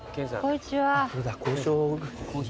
こんにちは。